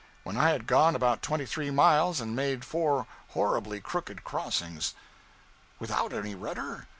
When I had gone about twenty three miles, and made four horribly crooked crossings ' 'Without any rudder?'